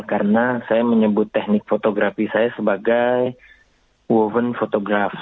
karena saya menyebut teknik fotografi saya sebagai woven photograph